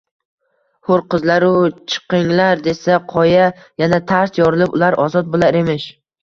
«Hur qizlar-u-u! Chiqinglar desa qoya yana tars yorilib ular ozod boʼlar emish.